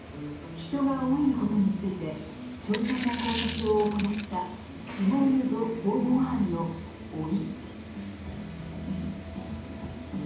人が老いることについて詳細な考察を行ったシモーヌ・ド・ボーヴォワールの「老い」。